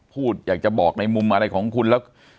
พูดอยากจะบอกในมุมอะไรของคุณแล้ว